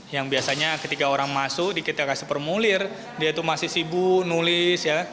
yang biasanya ketika orang masuk di kita kasih permulir dia itu masih sibuk nulis ya